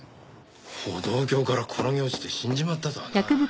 歩道橋から転げ落ちて死んじまったとはな。